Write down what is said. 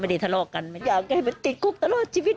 ไม่ได้ทะเลาะกันอยากให้มันติดกุ๊กทะเลาะชีวิต